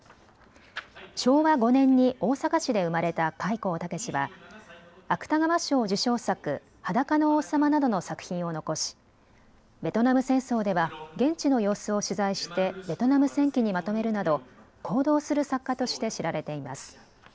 昭和５年に大阪市で生まれた開高健は芥川賞受賞作、裸の王様などの作品を残しベトナム戦争では現地の様子を取材してベトナム戦記にまとめるなど行動する作家として知られています。